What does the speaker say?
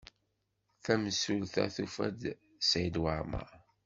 Tamsulta tufa-d Saɛid Waɛmaṛ.